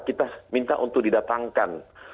kita minta untuk didatangkan